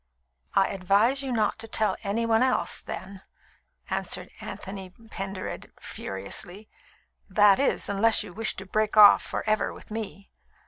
"I advise you not to tell any one else, then," answered Anthony Pendered furiously "that is, unless you wish to break off for ever with me.